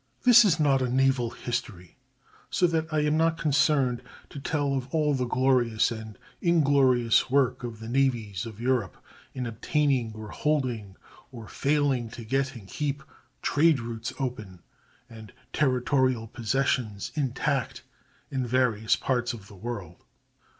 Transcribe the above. This is not a naval history, so that I am not concerned to tell of all the glorious or inglorious work of the navies of Europe in obtaining and holding, or failing to get and keep, trade routes open and territorial possessions intact in various parts of the world.